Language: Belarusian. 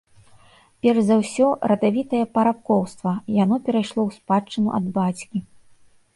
Перш за ўсё, радавітае парабкоўства, яно перайшло ў спадчыну ад бацькі.